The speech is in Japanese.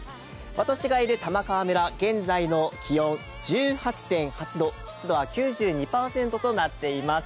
私がいる玉川村、現在の気温、１８．８度、湿度は９２％となっています。